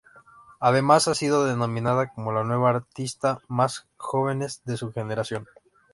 Además ha sido denominada como la nueva artista más jóvenes de su generación.